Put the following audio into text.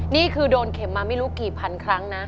นี่คือโดนเข็มมาไม่รู้กี่พันครั้งนะ